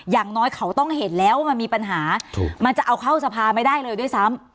อย่างน้อยเขาต้องเห็นแล้วว่ามันมีปัญหามันจะเอาเข้าสภาไม่ได้เลยด้วยซ้ำ